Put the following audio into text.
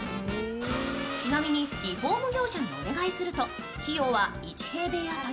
ちなみにリフォーム業者にお願いすると費用は１平方あたり